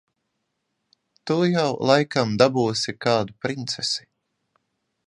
Tu jau laikam dabūsi kādu princesi.